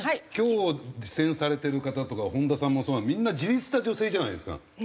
今日出演されている方とか本田さんもそうみんな自立した女性じゃないですか。